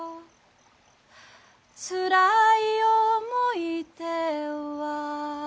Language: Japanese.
「つらい想い出は」